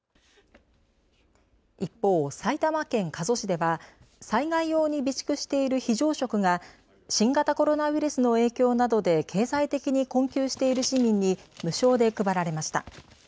一方、埼玉県加須市では災害用に備蓄している非常食が新型コロナウイルスの影響などで経済的に困窮している市民に無償で配られました。